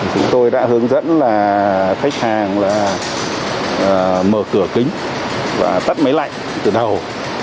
chúng tôi đã hướng dẫn khách hàng mở cửa kính và tắt máy lạnh từ đầu